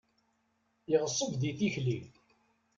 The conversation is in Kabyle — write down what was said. Yeɣṣeb di tikli.